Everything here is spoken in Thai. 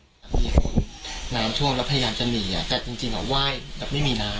มีคนนานช่วงแล้วพยายามจะหนีอ่ะแต่จริงจริงอ่ะไหว้แต่ไม่มีน้ำ